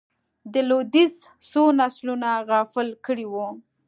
د لوېدیځ څو نسلونه غافل کړي وو.